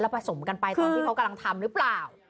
ผสมกันไปตอนที่เขากำลังทำหรือเปล่า